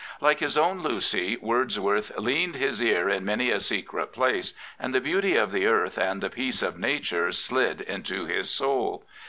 Like his own Lucy, Wordsworth " leaned his ear in many a secret place, and the beauty of the earth and the peace of Nature slid into his soul.